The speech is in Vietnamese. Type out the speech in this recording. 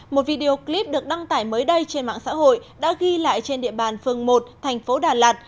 một video clip được đăng tải mới đây trên mạng xã hội đã ghi lại trên địa bàn phường một thành phố đà lạt